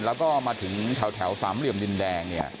แล้วก็มาถึงแถวสามเหลี่ยมดินแดงเนี่ย